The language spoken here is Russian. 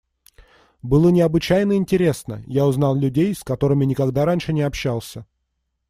Было необычайно интересно: я узнал людей, с которыми никогда раньше общался.